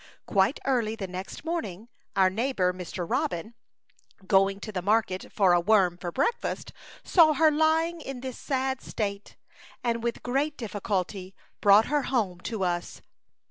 Quite early the next morning our neighbor, Mr. Robin, going to the market for a worm for breakfast, saw her lying in this sad state, and with great difficulty brought her home to us.